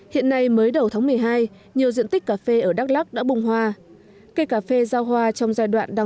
hiện nay mới đầu tháng một mươi hai nhiều diện tích cà phê ở đắk lắc đã bung hoa